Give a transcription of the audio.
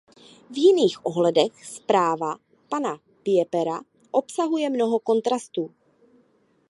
V jiných ohledech zpráva pana Piepera obsahuje mnoho kontrastů.